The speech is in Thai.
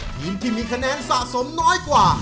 ทีมที่มีคะแนนสะสมน้อยกว่า